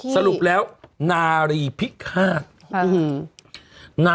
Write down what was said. สรุปแล้วนารีพิษข้าน